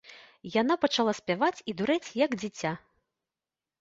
Яна пачала спяваць і дурэць, як дзіця.